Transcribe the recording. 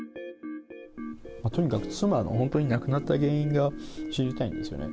とにかく妻が本当に亡くなった原因が知りたいんですよね。